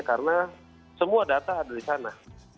karena semua data ada di sana